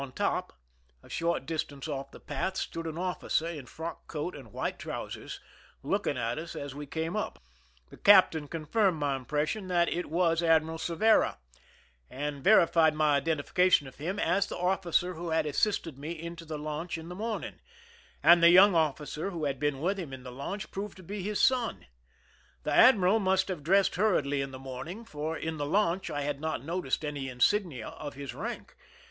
On top, a short distance off the path, stood an officer in frock coat and white trousers, looking at us as we came up. The captain confirmed my impression that it was Admiral Cervera, and veri fied my identification of him as the officer who had assisted me into the launch in the morning ; and the young officer who had been with him in the launch proved to be his son. The admiral must have dressed hurriedly in the morning, for in the launch I had not noticed any insignia of his rank.